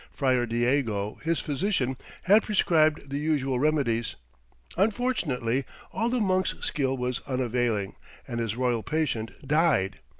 Friar Diego, his physician, had prescribed the usual remedies. Unfortunately, all the monk's skill was unavailing and his royal patient died.